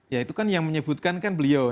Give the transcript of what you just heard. ya itu kan yang menyebutkan kan beliau